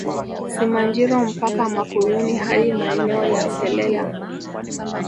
Simanjiro mpaka Makuyuni hadi maeneo ya Selela